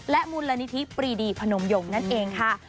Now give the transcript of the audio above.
และมูลละนิทิปรีดีผนมยงนั่นเองค่ะ